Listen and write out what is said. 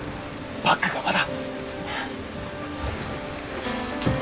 バッグがまだ